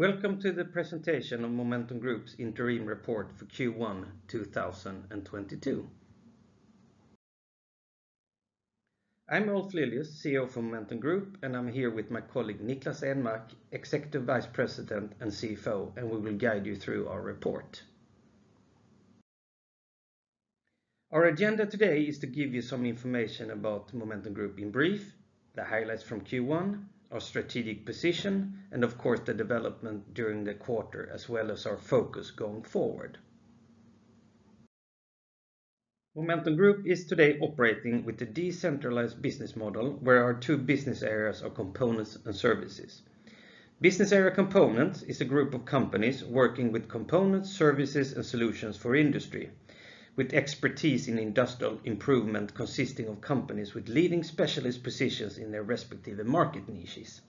Welcome to the presentation of Momentum Group's interim report for Q1 2022. I'm Ulf Lilius, CEO for Momentum Group, and I'm here with my colleague Niklas Enmark, Executive Vice President and CFO, and we will guide you through our report. Our agenda today is to give you some information about Momentum Group in brief, the highlights from Q1, our strategic position, and of course, the development during the quarter, as well as our focus going forward. Momentum Group is today operating with a decentralized business model where our two business areas are Components and Services. Business Area Components is a group of companies working with component services and solutions for industry with expertise in industrial improvement consisting of companies with leading specialist positions in their respective market niches.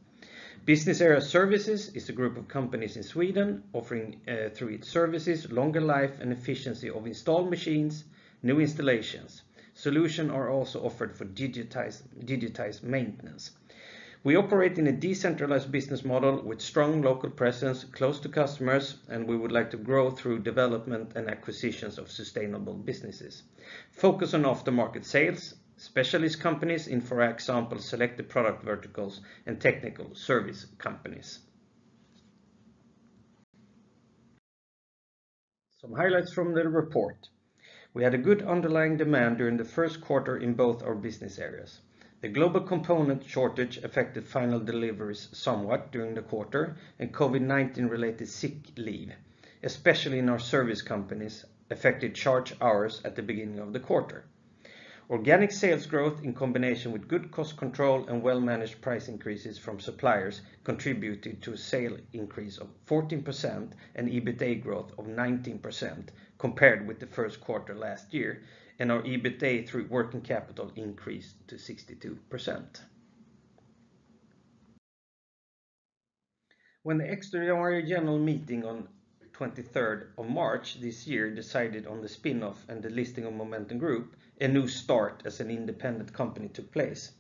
Business Area Services is a group of companies in Sweden offering through its services longer life and efficiency of installed machines, new installations. Solutions are also offered for digitized maintenance. We operate in a decentralized business model with strong local presence, close to customers, and we would like to grow through development and acquisitions of sustainable businesses. Focus on aftermarket sales, specialist companies in, for example, selected product verticals and technical service companies. Some highlights from the report. We had a good underlying demand during the first quarter in both our business areas. The global component shortage affected final deliveries somewhat during the quarter, and COVID-19 related sick leave, especially in our service companies, affected charged hours at the beginning of the quarter. Organic sales growth in combination with good cost control and well-managed price increases from suppliers contributed to a sales increase of 14% and EBITA growth of 19% compared with the first quarter last year, and our EBITA over working capital increased to 62%. When the extraordinary general meeting on the 23rd of March this year decided on the spin-off and the listing of Momentum Group, a new start as an independent company took place.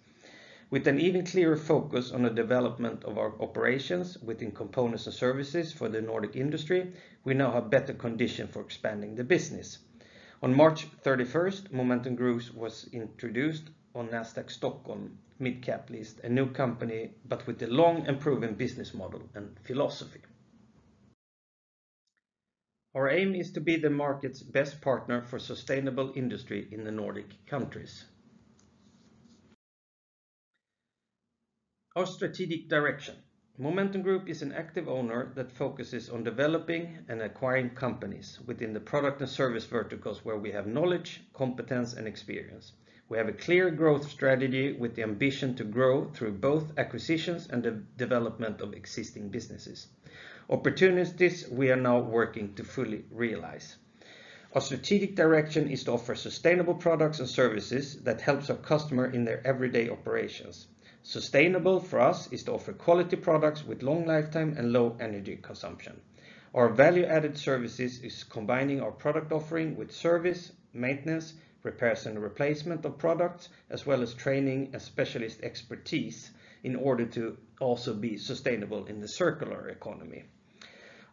With an even clearer focus on the development of our operations within components and services for the Nordic industry, we now have better conditions for expanding the business. On March 31st, Momentum Group was introduced on Nasdaq Stockholm Mid Cap list, a new company, but with a long and proven business model and philosophy. Our aim is to be the market's best partner for sustainable industry in the Nordic countries. Our strategic direction. Momentum Group is an active owner that focuses on developing and acquiring companies within the product and service verticals where we have knowledge, competence, and experience. We have a clear growth strategy with the ambition to grow through both acquisitions and the development of existing businesses, opportunities we are now working to fully realize. Our strategic direction is to offer sustainable products and services that helps our customer in their everyday operations. Sustainable for us is to offer quality products with long lifetime and low energy consumption. Our value-added services is combining our product offering with service, maintenance, repairs, and replacement of products, as well as training and specialist expertise in order to also be sustainable in the circular economy.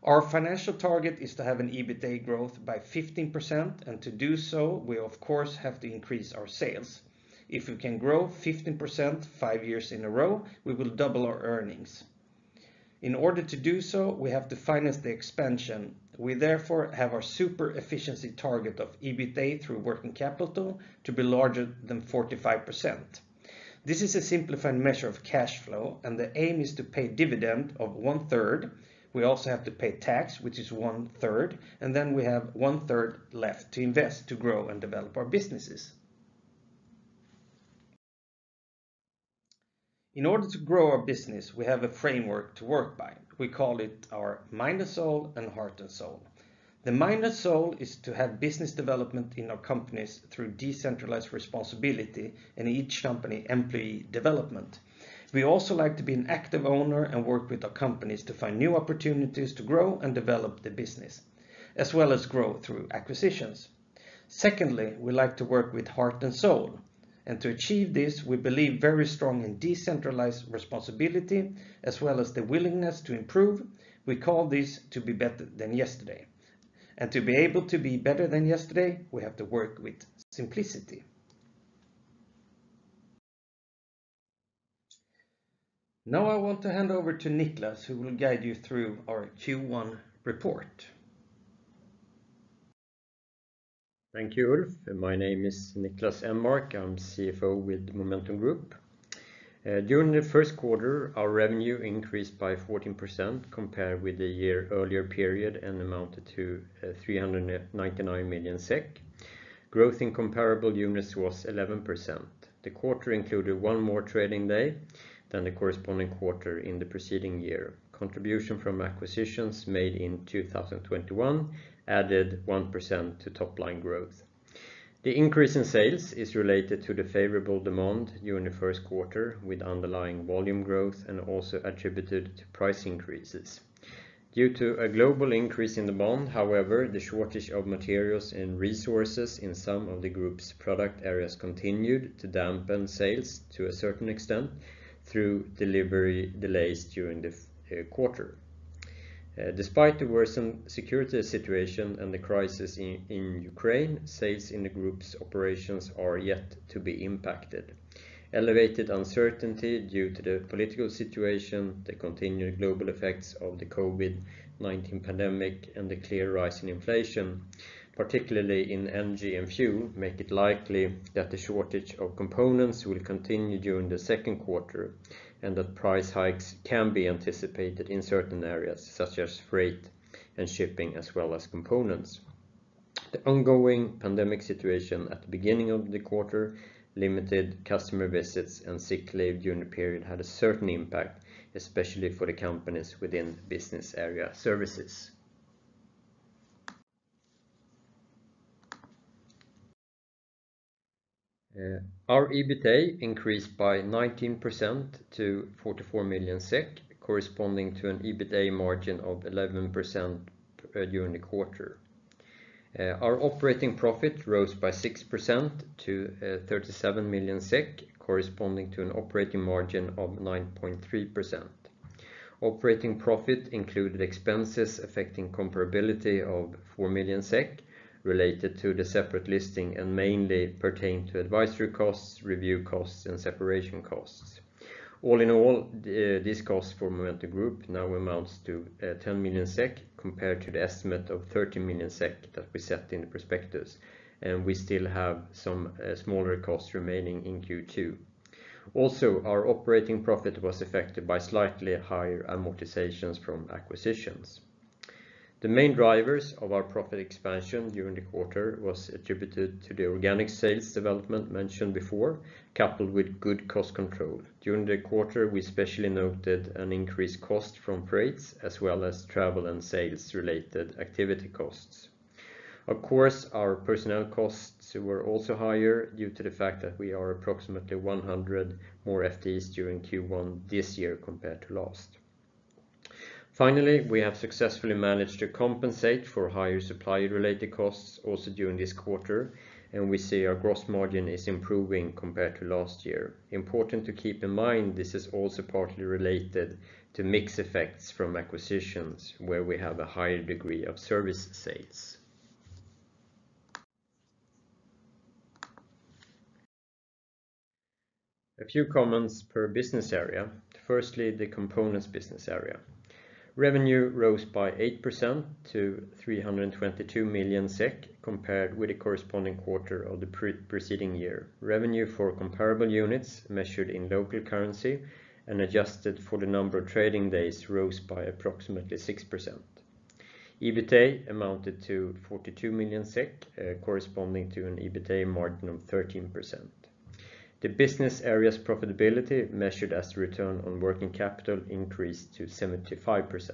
Our financial target is to have an EBITA growth by 15%. To do so, we of course have to increase our sales. If we can grow 15% five years in a row, we will double our earnings. In order to do so, we have to finance the expansion. We therefore have our super efficiency target of EBITA through working capital to be larger than 45%. This is a simplified measure of cash flow, and the aim is to pay dividend of 1/3. We also have to pay tax, which is 1/3, and then we have 1/3 left to invest to grow and develop our businesses. In order to grow our business, we have a framework to work by. We call it our mind and soul and heart and soul. The mind and soul is to have business development in our companies through decentralized responsibility in each company employee development. We also like to be an active owner and work with our companies to find new opportunities to grow and develop the business, as well as grow through acquisitions. Secondly, we like to work with heart and soul. To achieve this, we believe very strong in decentralized responsibility as well as the willingness to improve. We call this to be better than yesterday. To be able to be better than yesterday, we have to work with simplicity. Now I want to hand over to Niklas, who will guide you through our Q1 report. Thank you, Ulf. My name is Niklas Enmark. I'm CFO with Momentum Group. During the first quarter, our revenue increased by 14% compared with the year earlier period and amounted to 399 million SEK. Growth in comparable units was 11%. The quarter included one more trading day than the corresponding quarter in the preceding year. Contribution from acquisitions made in 2021 added 1% to top-line growth. The increase in sales is related to the favorable demand during the first quarter with underlying volume growth and also attributed to price increases. Due to a global increase in demand, however, the shortage of materials and resources in some of the Group's product areas continued to dampen sales to a certain extent through delivery delays during the quarter. Despite the worsened security situation and the crisis in Ukraine, sales in the Group's operations are yet to be impacted. Elevated uncertainty due to the political situation, the continued global effects of the COVID-19 pandemic, and the clear rise in inflation, particularly in energy and fuel, make it likely that the shortage of components will continue during the second quarter, and that price hikes can be anticipated in certain areas such as freight and shipping, as well as components. The ongoing pandemic situation at the beginning of the quarter limited customer visits, and sick leave during the period had a certain impact, especially for the companies within business area services. Our EBITA increased by 19% to 44 million SEK, corresponding to an EBITA margin of 11% during the quarter. Our operating profit rose by 6% to 37 million SEK, corresponding to an operating margin of 9.3%. Operating profit included expenses affecting comparability of 4 million SEK related to the separate listing and mainly pertain to advisory costs, review costs, and separation costs. All in all, these costs for Momentum Group now amounts to 10 million SEK compared to the estimate of 30 million SEK that we set in the prospectus, and we still have some smaller costs remaining in Q2. Also, our operating profit was affected by slightly higher amortizations from acquisitions. The main drivers of our profit expansion during the quarter was attributed to the organic sales development mentioned before, coupled with good cost control. During the quarter, we especially noted an increased cost from freights as well as travel and sales-related activity costs. Of course, our personnel costs were also higher due to the fact that we are approximately 100 more FTEs during Q1 this year compared to last. Finally, we have successfully managed to compensate for higher supplier-related costs also during this quarter, and we see our gross margin is improving compared to last year. Important to keep in mind, this is also partly related to mix effects from acquisitions where we have a higher degree of service sales. A few comments per business area. Firstly, the components business area. Revenue rose by 8% to 322 million SEK compared with the corresponding quarter of the preceding year. Revenue for comparable units measured in local currency and adjusted for the number of trading days rose by approximately 6%. EBITA amounted to 42 million SEK, corresponding to an EBITA margin of 13%. The Business Area's profitability, measured as the return on working capital, increased to 75%.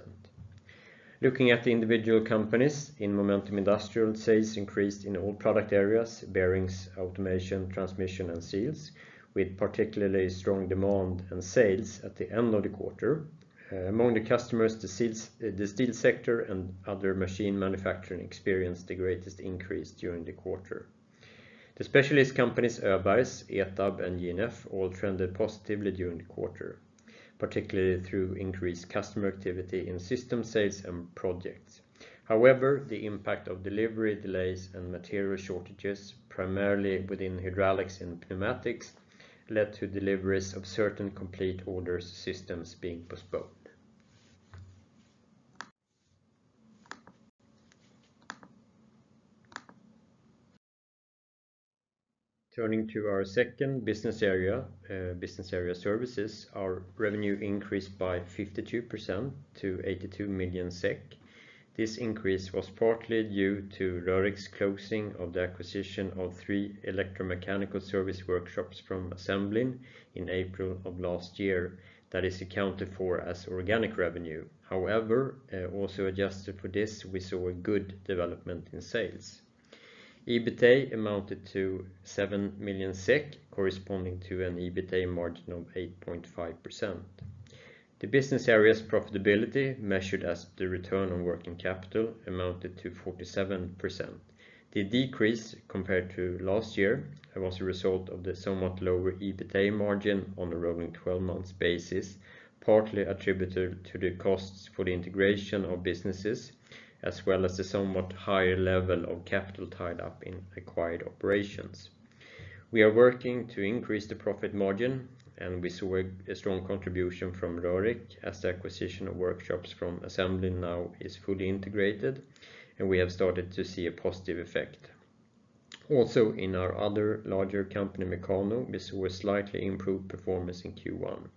Looking at the individual companies, in Momentum Industrial, sales increased in all product areas, bearings, automation, transmission, and seals, with particularly strong demand and sales at the end of the quarter. Among the customers, the steel sector and other machine manufacturing experienced the greatest increase during the quarter. The specialist companies, Öbergs, ETAB, and JNF, all trended positively during the quarter, particularly through increased customer activity in system sales and projects. However, the impact of delivery delays and material shortages, primarily within hydraulics and pneumatics, led to deliveries of certain complete order systems being postponed. Turning to our second business area, Business Area Services, our revenue increased by 52% to 82 million SEK. This increase was partly due to Rörick's closing of the acquisition of three electromechanical service workshops from Assemblin in April of last year that is accounted for as organic revenue. However, also adjusted for this, we saw a good development in sales. EBITA amounted to 7 million SEK corresponding to an EBITA margin of 8.5%. The business area's profitability, measured as the return on working capital, amounted to 47%. The decrease compared to last year was a result of the somewhat lower EBITA margin on a rolling twelve-month basis, partly attributed to the costs for the integration of businesses, as well as the somewhat higher level of capital tied up in acquired operations. We are working to increase the profit margin, and we saw a strong contribution from Rörick as the acquisition of workshops from Assemblin now is fully integrated, and we have started to see a positive effect. Also, in our other larger company, Mekano, we saw a slightly improved performance in Q1.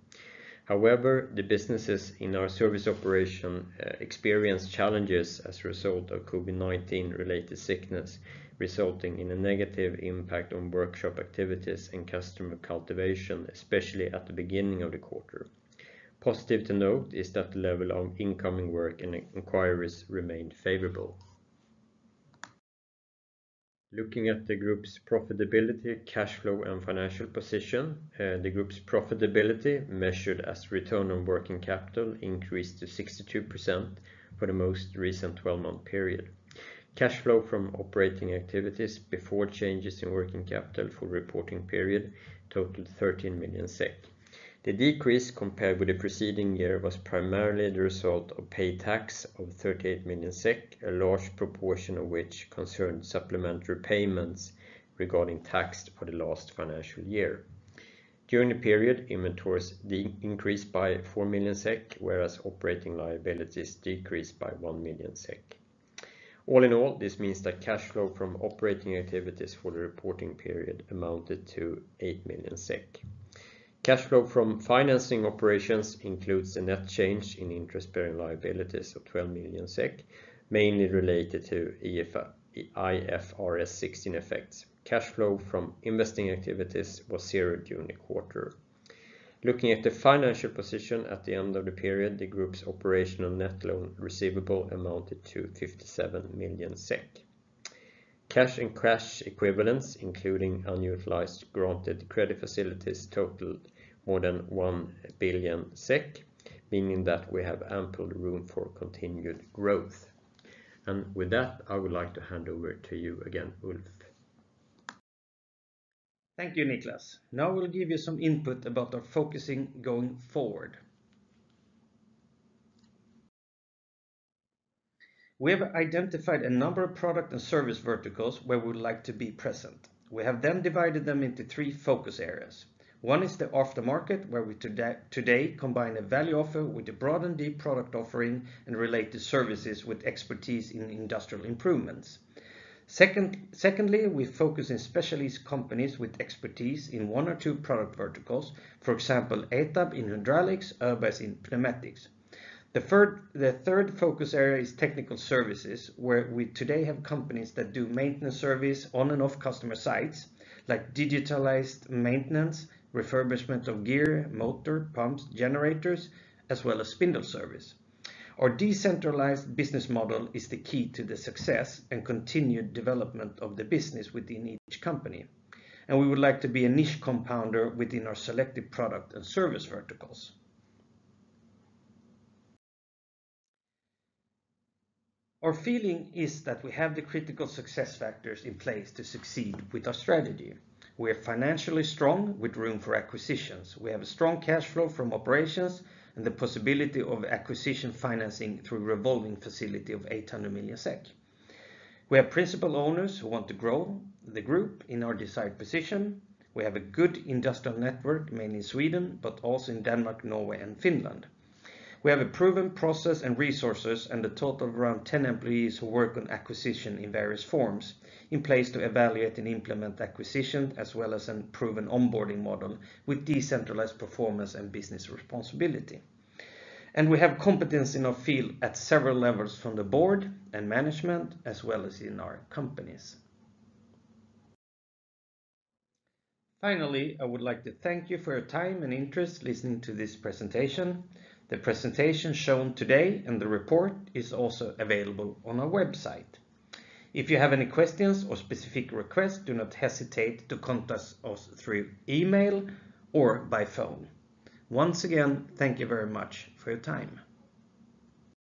However, the businesses in our service operation experienced challenges as a result of COVID-19 related sickness, resulting in a negative impact on workshop activities and customer cultivation, especially at the beginning of the quarter. Positive to note is that the level of incoming work and inquiries remained favorable. Looking at the group's profitability, cash flow, and financial position, the group's profitability measured as return on working capital increased to 62% for the most recent twelve-month period. Cash flow from operating activities before changes in working capital for reporting period totaled 13 million SEK. The decrease compared with the preceding year was primarily the result of paid tax of 38 million SEK, a large proportion of which concerned supplementary payments regarding taxes for the last financial year. During the period, inventories increased by 4 million SEK, whereas operating liabilities decreased by 1 million SEK. All in all, this means that cash flow from operating activities for the reporting period amounted to 8 million SEK. Cash flow from financing operations includes the net change in interest-bearing liabilities of 12 million SEK, mainly related to IFRS 16 effects. Cash flow from investing activities was 0 during the quarter. Looking at the financial position at the end of the period, the group's operational net loan receivable amounted to 57 million SEK. Cash and cash equivalents, including unutilized granted credit facilities totaled more than 1 billion SEK, meaning that we have ample room for continued growth. With that, I would like to hand over to you again, Ulf. Thank you, Niklas. Now we'll give you some input about our focusing going forward. We have identified a number of product and service verticals where we would like to be present. We have then divided them into three focus areas. One is the after market, where we today combine the value offer with the broad and deep product offering and related services with expertise in industrial improvements. Second, we focus in specialist companies with expertise in one or two product verticals. For example, ETAB in hydraulics, Öbergs in pneumatics. The third focus area is technical services, where we today have companies that do maintenance service on and off customer sites, like digitalized maintenance, refurbishment of gear, motor, pumps, generators, as well as spindle service. Our decentralized business model is the key to the success and continued development of the business within each company, and we would like to be a niche compounder within our selected product and service verticals. Our feeling is that we have the critical success factors in place to succeed with our strategy. We are financially strong with room for acquisitions. We have a strong cash flow from operations and the possibility of acquisition financing through revolving facility of 800 million SEK. We have principal owners who want to grow the group in our desired position. We have a good industrial network, mainly Sweden, but also in Denmark, Norway, and Finland. We have a proven process and resources and a total of around 10 employees who work on acquisition in various forms, in place to evaluate and implement acquisition, as well as a proven onboarding model with decentralized performance and business responsibility. We have competence in our field at several levels from the board and management as well as in our companies. Finally, I would like to thank you for your time and interest in listening to this presentation. The presentation shown today and the report is also available on our website. If you have any questions or specific requests, do not hesitate to contact us through email or by phone. Once again, thank you very much for your time.